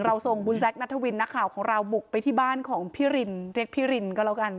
ส่งคุณแซคนัทวินนักข่าวของเราบุกไปที่บ้านของพี่รินเรียกพี่รินก็แล้วกัน